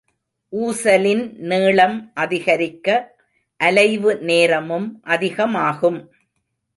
ஊசலின் நீளம் அதிகரிக்க அலைவு நேரமும் அதிகமாகும்.